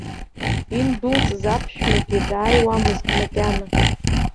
Индәылҵыз аԥшәмагьы дааиуамызт макьана.